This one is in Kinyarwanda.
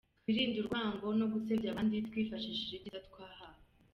twirinde urwango no gusebya abandi twifashishije ibyiza twahawe.